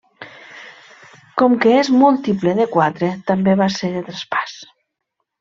Com que és múltiple de quatre, també va ser de traspàs.